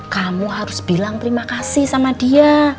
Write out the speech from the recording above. kamu harus bilang terima kasih sama dia